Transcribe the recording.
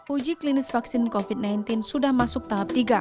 uji klinis vaksin covid sembilan belas sudah masuk tahap tiga